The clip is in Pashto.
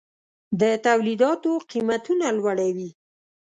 د تولیداتو قیمتونه لوړوي.